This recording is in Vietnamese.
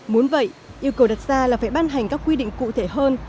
muốn vậy yêu cầu đặt ra là phải ban hành các quy định cụ thể hơn